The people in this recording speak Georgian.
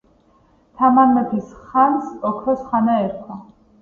თამარმეფის ხანს ,,ოქროს ხანა" ერქვა